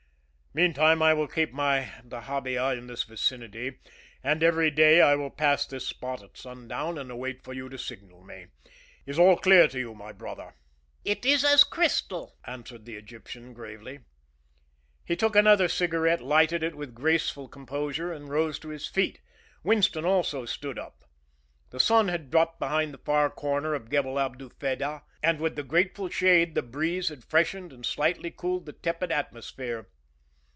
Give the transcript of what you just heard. Meantime I will keep my dahabeah in this vicinity, and every day I will pass this spot at sundown and await for you to signal me. Is it all clear to you, my brother?" "It is as crystal," answered the Egyptian gravely. He took another cigarette, lighted it with graceful composure, and rose to his feet. Winston also stood up. The sun had dropped behind the far corner of Gebel Abu Fedah, and with the grateful shade the breeze had freshened and slightly cooled the tepid atmosphere.